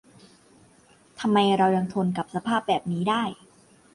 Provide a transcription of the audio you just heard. ทำไมเรายังทนกับสภาพแบบนี้ได้ ?